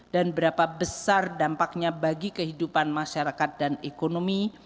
dan berapa besar dampaknya bagi kehidupan masyarakat dan ekonomi